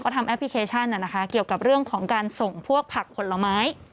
ทำแอปพลิเคชันเกี่ยวกับเรื่องของการส่งพวกผักผลไม้